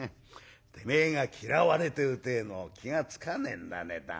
てめえが嫌われてるてえのを気が付かねえんだね。